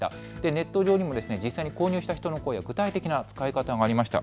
ネット上にも実際に購入した人の声や具体的な使い方もありました。